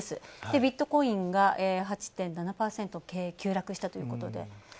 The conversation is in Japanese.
ビットコインが８．７％急落したということで。